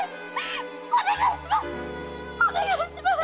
お願いします！